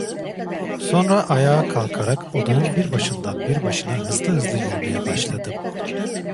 Sonra ayağa kalkarak odanın bir başından bir başına hızlı hızlı yürümeye başladım.